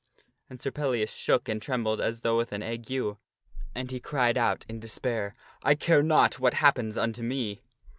And Sir Pellias shook and trembled as though with an ague, and he cried out in great despair, "I care not what happens unto me!"